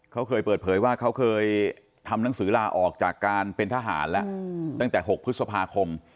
เขาเคยเปิดเผยว่าเขาเคยทำหนังสือลาออกจากการเป็นทหารแล้วตั้งแต่๖พฤษภาคม